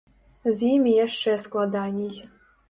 З імі яшчэ складаней.